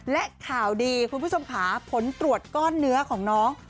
และข่าวดีคุณผู้ชมค่ะผลตรวจก้อนเนื้อของน้อง